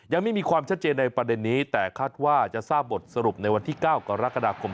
ยังไม่มีความชัดเจนในประเด็นนี้แต่คาดว่าจะทราบบทสรุปในวันที่๙กรกฎาคม